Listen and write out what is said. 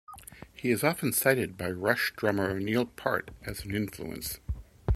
He is often cited by Rush drummer Neil Peart as an influence.